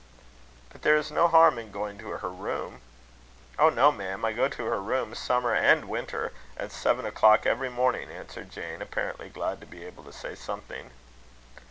"But there is no harm in going to her room." "Oh, no, ma'am. I go to her room, summer and winter, at seven o'clock every morning," answered Jane, apparently glad to be able to say something.